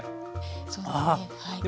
そうですねはい。